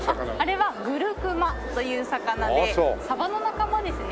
あれはグルクマという魚でサバの仲間ですね。